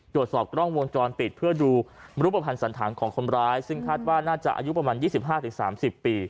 ตรวจสอบกล้องวงจรปิดเพื่อดูรูปภัณฑ์สันธารของคนร้ายซึ่งคาดว่าน่าจะอายุประมาณ๒๕๓๐ปี